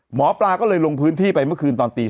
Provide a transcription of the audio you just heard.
หมอปลาก็เลยลงพื้นที่ไปเมื่อคืนตอนตี๓